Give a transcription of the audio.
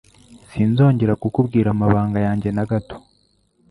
Sinzongera kukubwira amabanga yajye nagato.